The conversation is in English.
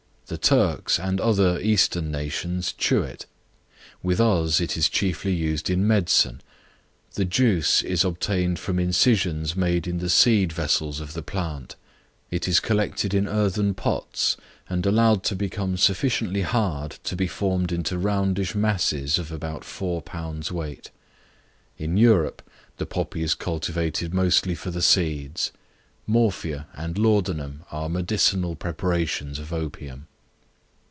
The Turks, and other Eastern nations, chew it. With us it is chiefly used in medicine. The juice is obtained from incisions made in the seed vessels of the plant; it is collected in earthen pots, and allowed to become sufficiently hard to be formed into roundish masses of about four pounds weight. In Europe the poppy is cultivated mostly for the seeds. Morphia and laudanum are medicinal preparations of opium.